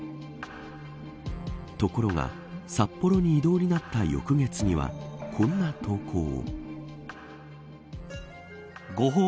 ところが札幌に異動になった翌月にはこんな投稿を。